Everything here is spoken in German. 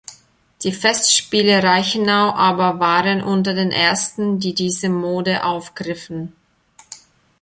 Die Festspiele Reichenau aber waren unter den ersten, die diese Mode aufgriffen.